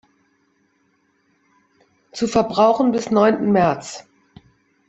Zu verbrauchen bis neunten März.